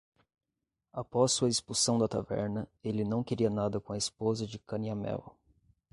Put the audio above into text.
Após sua expulsão da taverna, ele não queria nada com a esposa de Canyamel.